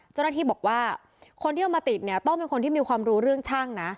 เจ้าหน้าที่บอกว่าคนที่เอามาติดเนี่ยต้องเป็นคนที่มีความรู้เรื่องช่างนะ